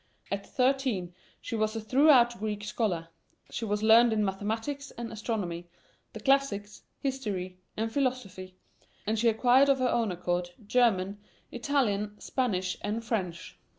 At thirteen she was a thorough Greek scholar; she was learned in mathematics and astronomy, the classics, history, and philosophy; and she acquired of her own accord German, Italian, Spanish, and French.